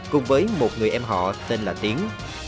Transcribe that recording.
cùng với một người em họ tên là tiến